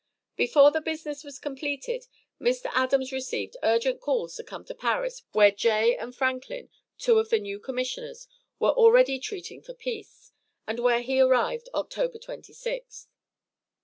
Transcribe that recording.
Before this business was completed, Mr. Adams received urgent calls to come to Paris where Jay and Franklin, two of the new commissioners, were already treating for peace, and where he arrived October 26th.